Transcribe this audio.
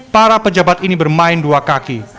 para pejabat ini bermain dua kaki